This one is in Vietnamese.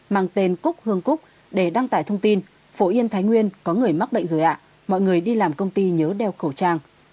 mang tên cúc hương cúc để đăng tải thông tin phổ yên thái nguyên có người mắc bệnh rồi ạ mọi người đi làm công ty nhớ đeo khẩu trang